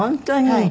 はい。